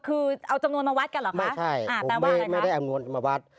คือเอาจำนวนมาวัดกันเหรอคะแปลว่าอะไรครับไม่ใช่ผมไม่ได้เอาจำนวนมาวัด